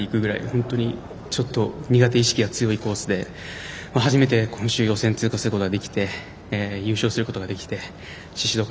本当にちょっと苦手意識が強いコースで初めて今週予選通過することができて優勝することができて宍戸